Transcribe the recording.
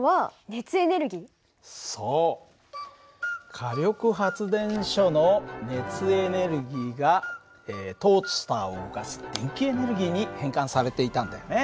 火力発電所の熱エネルギーがトースターを動かす電気エネルギーに変換されていたんだよね。